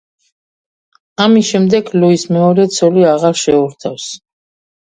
ამის შემდეგ ლუის მეორე ცოლი აღარ შეურთავს.